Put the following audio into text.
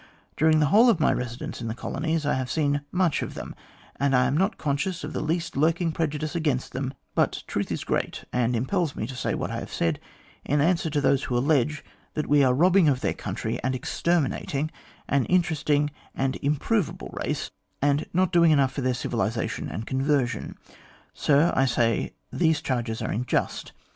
During the whole of my residence in the colonies I have seen much of them, and I am not conscious of the least lurking prejudice against them; but truth is great, and impels me to say what I have said in answer to those who allege that we are robbing of their country and exterminating an interesting and improvable race, and not doing enough for their civilisation and conversion. Sir, I say that these charges are unjust.